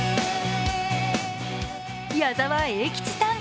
矢沢永吉さん！